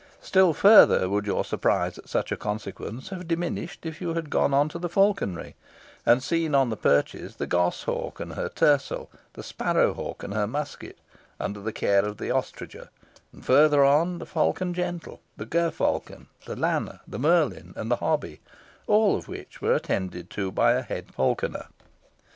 Still further would your surprise at such a consequence have diminished if you had gone on to the falconry, and seen on the perches the goshawk and her tercel, the sparrowhawk and her musket, under the care of the ostringer; and further on the falcon gentle, the gerfalcon, the lanner, the merlin, and the hobby, all of which were attended to by the head falconer.